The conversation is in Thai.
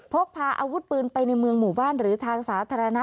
พกพาอาวุธปืนไปในเมืองหมู่บ้านหรือทางสาธารณะ